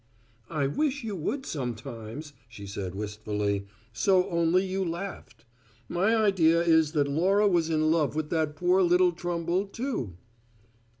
"I wish you would sometimes," she said wistfully, "so only you laughed. My idea is that Laura was in love with that poor little Trumble, too."